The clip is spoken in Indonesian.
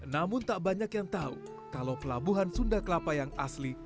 namun tak banyak yang tahu kalau pelabuhan sunda kelapa yang asli